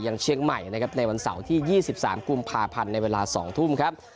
อย่างเชียงใหม่ในวันเสาร์ที่๒๓กุมภาพันธ์๒ทุ่มครับ